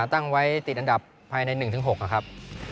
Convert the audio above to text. ตั้งไว้ติดอันดับภายใน๑๖นะครับ